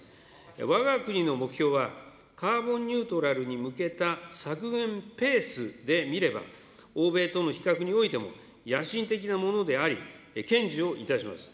わが国の目標は、カーボンニュートラルに向けた削減ペースで見れば、欧米との比較においても野心的なものであり、堅持をいたします。